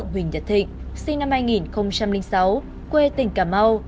huỳnh nhật thịnh sinh năm hai nghìn sáu quê tỉnh cà mau